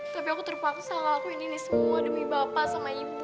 tapi aku terpaksa ngelakuin ini semua demi bapak sama ibu